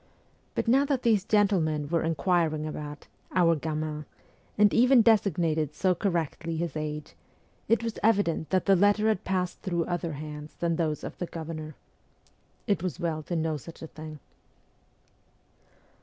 But now that these gentlemen were inquiring about ' our gamin,' and even designated so correctly his age, it was evident that the letter had passed through other hands than those of the governor^ It was well to know such a thing.